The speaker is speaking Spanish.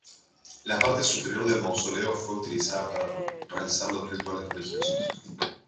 La parte superior del mausoleo fue utilizada para realizar los rituales religiosos.